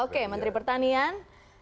oke menteri pertanian